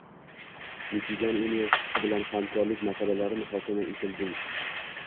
Michigan universiteti bilan hamkorlik masalalari muhokama etilding